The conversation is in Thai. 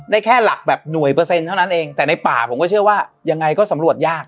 แค่หลักแบบหน่วยเปอร์เซ็นต์เท่านั้นเองแต่ในป่าผมก็เชื่อว่ายังไงก็สำรวจยาก